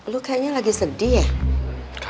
lu kayaknya lagi sedih ya